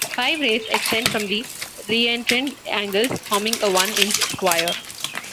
Five rays extend from the reentrant angles, forming a one-inch square.